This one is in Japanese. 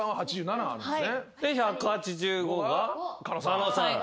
狩野さん